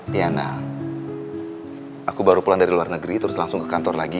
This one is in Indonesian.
tiana aku baru pulang dari luar negeri terus langsung ke kantor lagi